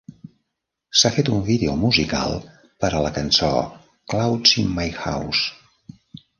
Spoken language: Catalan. S'ha fet un vídeo musical per a la cançó "Clouds in My House".